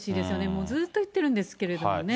もうずっと言ってるんですけどもね。